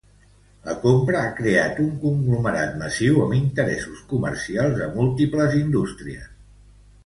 La compra ha creat un conglomerat massiu amb interessos comercials a múltiples indústries.